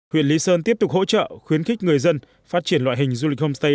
huyện lý sơn tiếp tục hỗ trợ khuyến khích người dân phát triển loại hình du lịch homestay